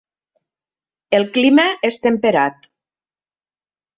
El clima és temperat.